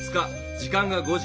時間が５時。